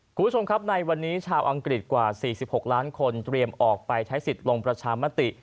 คุณผู้ชมครับในวันนี้ชาวอังกฤษกว่า๔๖ล้านคนเตรียมออกไปใช้สิทธิ์ลงประชามติ